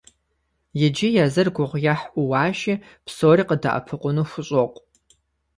Иджы езыр гугъуехь Ӏууащи, псори къыдэӀэпыкъуну хущӀокъу.